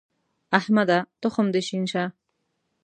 احمده! تخم دې شين شه.